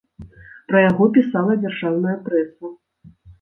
Пра яго пісала дзяржаўная прэса.